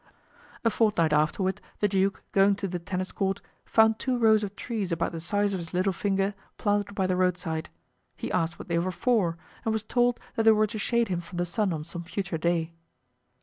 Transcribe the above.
A fortnight afterward the duke, going to the tennis court, found two rows of trees about the size of his little finger planted by the roadside; he asked what they were for and was told that they were to shade him from the sun on some future day.